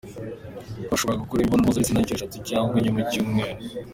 Twashoboraga gukora imibonano mpuzabitsina inshuro eshatu cyangwa enye mu cyumweru.